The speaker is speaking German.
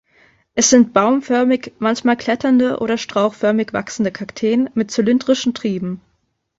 Es sind baumförmig, manchmal kletternde oder strauchförmig wachsende Kakteen mit zylindrischen Trieben.